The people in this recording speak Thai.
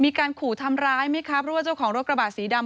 มีการขู่ทำร้ายไหมกับเครื่องมือหรือว่าเจ้าของรถกระบาดสีดำ